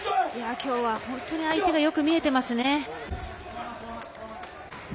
きょうは本当に相手がよく見えていますね。